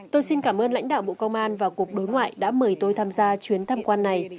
tôi xin cảm ơn lãnh đạo bộ công an và cục đối ngoại đã mời tôi tham gia chuyến thăm quan này